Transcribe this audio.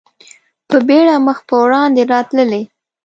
په بېړه مخ په وړاندې راتللې.